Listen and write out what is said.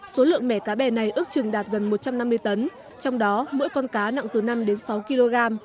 số lượng mẻ cá bè này ước chừng đạt gần một trăm năm mươi tấn trong đó mỗi con cá nặng từ năm đến sáu kg